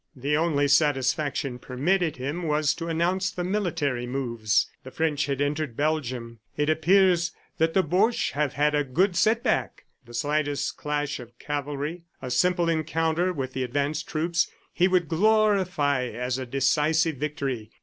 ... The only satisfaction permitted him was to announce the military moves. The French had entered Belgium. "It appears that the Boches have had a good set back." The slightest clash of cavalry, a simple encounter with the advance troops, he would glorify as a decisive victory.